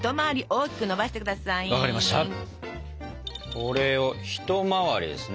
これをひと回りですね？